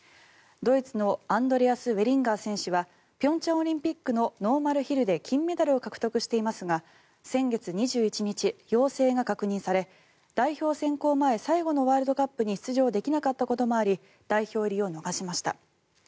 ドイツのアンドレアス・ウェリンガー選手は平昌オリンピックのノーマルヒルで金メダルを獲得していますが先月２１日、陽性が確認され代表選考前最後のワールドカップに出場できなかったこともあり代表入りを逃しました。